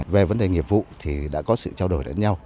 về vấn đề nghiệp vụ thì đã có sự trao đổi lẫn nhau